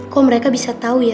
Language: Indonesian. kok mereka bisa tahu